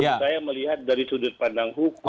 kalau saya melihat dari sudut pandang hukum